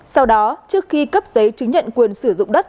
sau đó trước khi cấp giấy chứng nhận quyền sử dụng đất